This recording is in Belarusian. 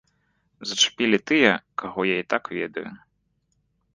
Зачапілі тыя, каго я і так ведаю.